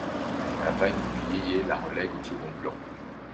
La vague du yé-yé la relègue au second plan.